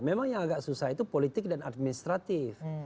memang yang agak susah itu politik dan administratif